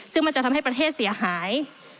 ซึ่งมันจะทำให้ประเทศเสียหาย